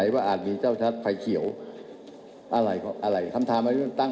มันต้องเกี่ยวกับที่รัก